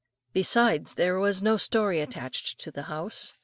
Besides, there was no story attached to the house.